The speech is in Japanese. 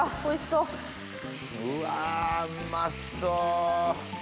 うわうまそう。